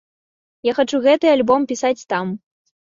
Я хачу гэты альбом пісаць там.